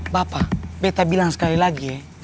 bapak bete bilang sekali lagi ya